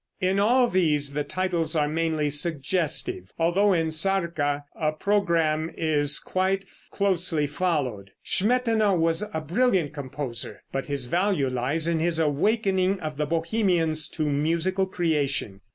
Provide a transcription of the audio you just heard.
In all these the titles are mainly suggestive, although in "Sarka" a programme is quite closely followed. Smetana was a brilliant composer, but his value lies in his awakening of the Bohemians to musical creation.